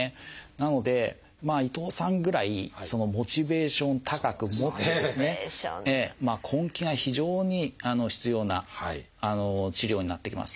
なので伊藤さんぐらいモチベーションを高く持ってですね根気が非常に必要な治療になってきます。